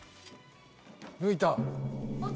抜いた！